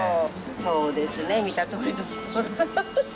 そうですね、見たとおり。